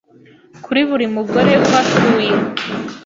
kuri buri mugore uhatuye